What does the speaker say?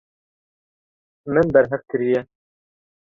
Min berhev kiriye.